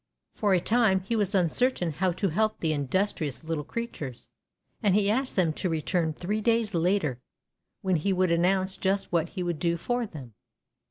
For a time he was uncertain how to help the industrious little creatures, and he asked them to return three days later, when he would announce just what he would do for them.